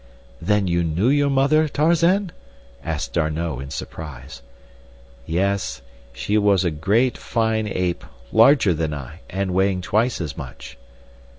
"Then you knew your mother, Tarzan?" asked D'Arnot, in surprise. "Yes. She was a great, fine ape, larger than I, and weighing twice as much."